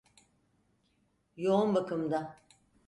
Yoğun bakımda.